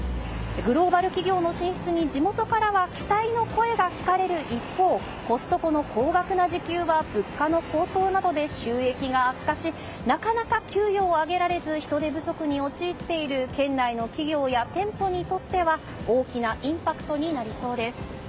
グローバル企業の進出に地元からは期待の声が聞かれる一方コストコの高額な時給は物価の高騰などで収益が悪化しなかなか給与を上げられず人手不足に陥っている県内の企業や店舗にとっては大きなインパクトになりそうです。